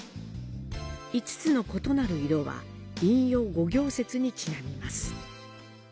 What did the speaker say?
５つの異なる色は、陰陽五行説にちなみます。